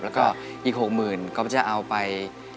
แล้วก็อีกหกหมื่นก็จะเอาไป